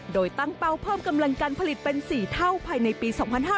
โดยตั้งเป้าเพิ่มกำลังการผลิตเป็น๔เท่าภายในปี๒๕๕๙